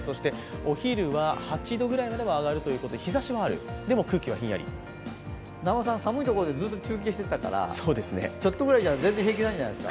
お昼は８度ぐらいまでは上がるということで、日ざしはある、南波さん、寒いところでずっと中継してたからちょっとくらいじゃ全然平気なんじゃないですか？